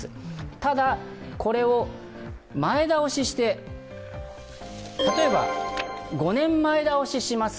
ただ、これを前倒しして、例えば、５年、前倒しします。